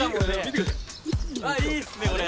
あっいいっすねこれ。